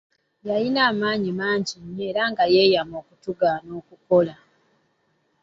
Yalina amaanyi mangi nnyo era nga yeeyama okutugaana okukola.